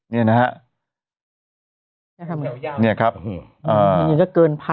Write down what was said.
เนี่ยนะฮะเงียวยาวนี่ครับอ๋ออ่านี่มันยังเกินพัน